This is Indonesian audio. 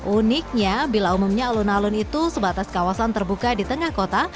uniknya bila umumnya alun alun itu sebatas kawasan terbuka di tengah kota